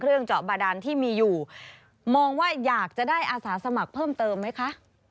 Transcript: เจาะบาดานที่มีอยู่มองว่าอยากจะได้อาสาสมัครเพิ่มเติมไหมคะ